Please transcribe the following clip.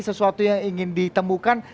sesuatu yang ingin ditemukan